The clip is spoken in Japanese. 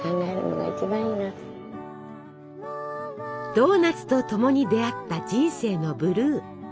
ドーナツとともに出会った人生のブルー。